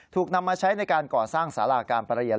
ถูกนำมาใช้ในการก่อสร้างสาราการประเรียน